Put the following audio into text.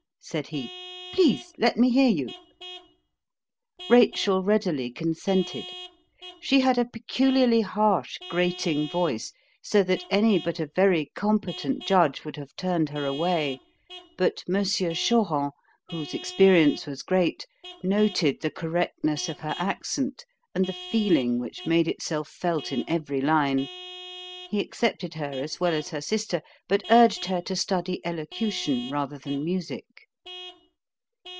said he. "Please let me hear you." Rachel readily consented. She had a peculiarly harsh, grating voice, so that any but a very competent judge would have turned her away. But M. Choron, whose experience was great, noted the correctness of her accent and the feeling which made itself felt in every line. He accepted her as well as her sister, but urged her to study elocution rather than music.